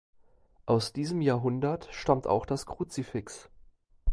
Aus diesem Jahrhundert stammt auch das Kruzifix.